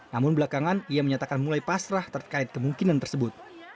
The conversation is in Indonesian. namun belakangan ia menyatakan mulai pasrah terkait kemungkinan tersebut